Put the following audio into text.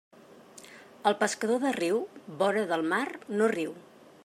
El pescador de riu, vora del mar no riu.